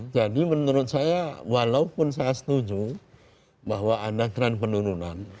jadi menurut saya walaupun saya setuju bahwa ada trend penurunan